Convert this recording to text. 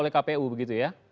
oleh kpu begitu ya